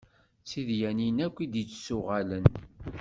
D tidyanin akk i d-yettuɣalen.